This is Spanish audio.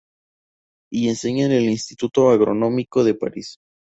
Y enseña en el "Instituto Agronómico de París.